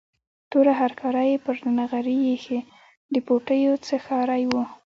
توره هرکاره یې پر نغري ایښې، د پوټیو څښاری و.